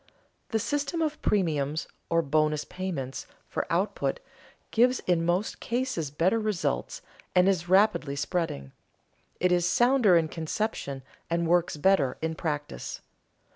The system of premiums, or bonus payments, for output, gives in most cases better results and is rapidly spreading. It is sounder in conception and works better in practice.